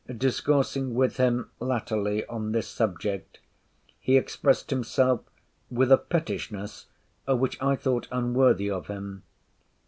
Discoursing with him latterly on this subject, he expressed himself with a pettishness, which I thought unworthy of him.